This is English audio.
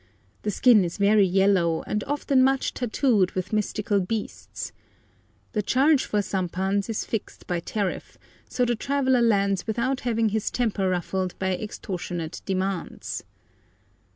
The skin is very yellow, and often much tattooed with mythical beasts. The charge for sampans is fixed by tariff, so the traveller lands without having his temper ruffled by extortionate demands.